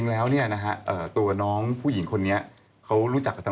แล้วทางทางพรุ่งนี้เราตัดสดเลย